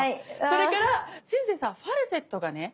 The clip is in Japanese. それから鎮西さんファルセットがね